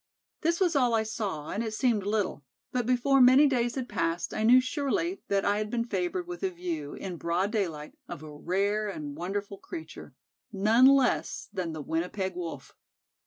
This was all I saw, and it seemed little; but before many days had passed I knew surely that I had been favored with a view, in broad daylight, of a rare and wonderful creature, none less than the Winnipeg Wolf.